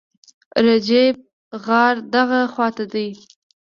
رجیب، غار دغه خواته دی.